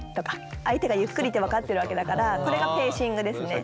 相手がゆっくりって分かってるわけだからこれがペーシングですね。